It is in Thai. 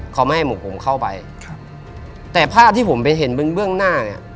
เขาไม่ให้หมวกผมเข้าไปครับแต่ภาพที่ผมไปเห็นเบื้องเบื้องหน้าเนี่ย